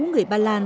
người ba lan